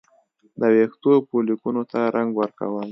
د ویښتو فولیکونو ته رنګ ورکول